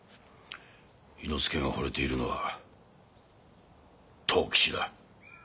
猪之助がほれているのは藤吉だ。